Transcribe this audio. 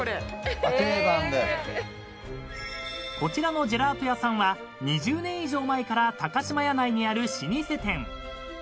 ［こちらのジェラート屋さんは２０年以上前から島屋内にある老舗店］